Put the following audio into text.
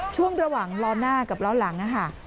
ช่วงระหว่างล้อหน้ากับล้อหลัง